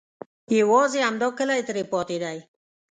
یوازې همدا کلی ترې پاتې دی.